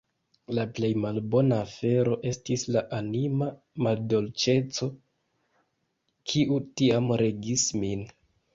La plej malbona afero estis la anima maldolĉeco, kiu tiam regis min.